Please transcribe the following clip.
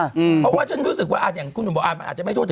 แบบว่าฉันรู้สึกว่าอาจจะไม่โทษ